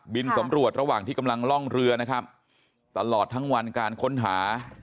สำรวจระหว่างที่กำลังล่องเรือนะครับตลอดทั้งวันการค้นหา